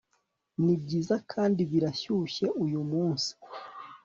nibyiza kandi birashyushye uyumunsi